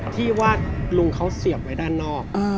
ที่ว่าลุงเขาเสียบไว้ด้านนอก